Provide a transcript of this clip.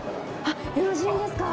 あっよろしいですか？